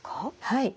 はい。